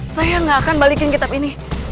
saya nggak akan balikin kitab ini